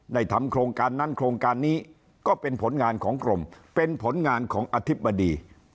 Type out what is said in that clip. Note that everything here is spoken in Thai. ทำโครงการนั้นโครงการนี้ก็เป็นผลงานของกรมเป็นผลงานของอธิบดี